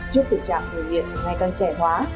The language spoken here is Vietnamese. trước tình trạng cai nghiện ngày càng trẻ hóa